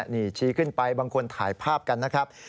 นี่ชี้ขึ้นไปบางคนถ่ายภาพกันนะครับ